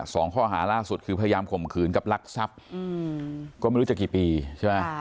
สองข้อหาล่าสุดคือพยายามข่มขืนกับลักทรัพย์ก็ไม่รู้จะกี่ปีใช่ไหม